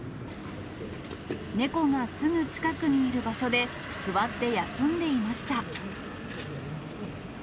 猫がすぐ近くにいる場所で、座って休んでいました。